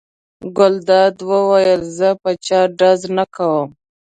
ګلداد وویل: زه په چا ډز نه کوم.